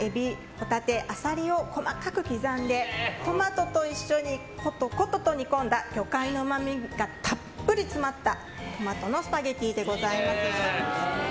ホタテ、アサリを細かく刻んで、トマトと一緒にコトコトと煮込んだ魚介のうまみがたっぷり詰まったトマトのスパゲティでございます。